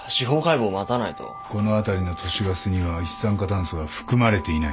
この辺りの都市ガスには一酸化炭素が含まれていない。